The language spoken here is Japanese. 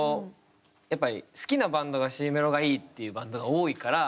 やっぱり好きなバンドがＣメロがいいっていうバンドが多いから。